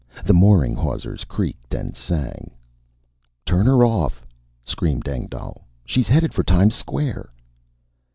The mooring hawsers creaked and sang. "Turn her off!" screamed Engdahl. "She's headed for Times Square!"